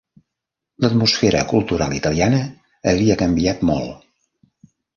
L'atmosfera cultural italiana havia canviat molt.